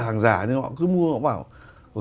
hàng giả nhưng họ cứ mua họ bảo